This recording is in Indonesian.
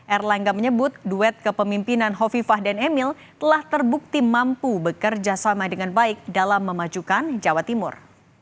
erlangga menyebut duet kepemimpinan hovifah dan emil telah terbukti mampu bekerja sama dengan baik dalam memajukan jawa timur